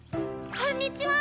こんにちは！